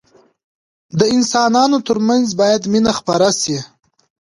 د انسانانو ترمنځ باید مينه خپره سي.